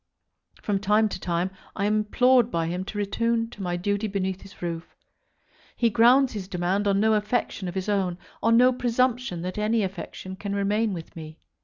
From time to time I am implored by him to return to my duty beneath his roof. He grounds his demand on no affection of his own, on no presumption that any affection can remain with me.